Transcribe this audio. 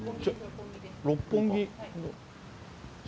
六本木。